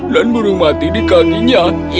dan burung mati di kakinya